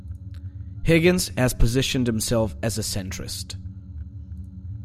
Higgins has positioned himself as a centrist.